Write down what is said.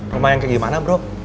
rumah yang ke gimana bro